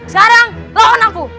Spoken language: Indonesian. sekarang lawan aku